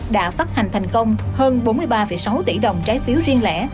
đã phát hành thành công hơn bốn mươi ba sáu tỷ đồng trái phiếu riêng lẻ